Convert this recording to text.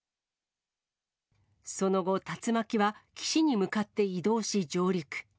その後、竜巻は岸に向かって移動し、上陸。